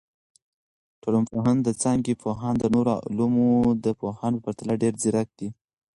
ټولنپوهنه د څانګي پوهان د نورو علومو د پوهانو په پرتله ډیر ځیرک دي.